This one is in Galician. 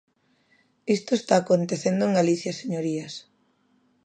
Isto está acontecendo en Galicia, señorías.